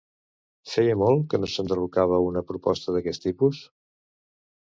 Feia molt que no s'enderrocava una proposta d'aquest tipus?